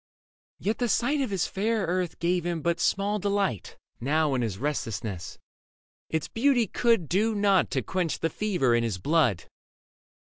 Yet the sight Leda Of his fair earth gave him but small delight Now in his restlessness : its beauty could Do nought to quench the fever in his blood.